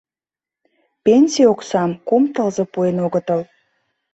Пенсий оксам кум тылзе пуэн огытыл.